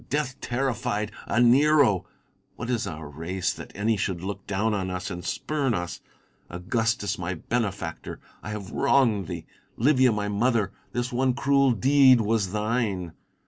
Death terrified, a Nero ! What is our race, that any should look down on us and spurn us 1 Augustus, my benefactor, I have wronged thee ! Livia, my mother, this one cruel deed was thine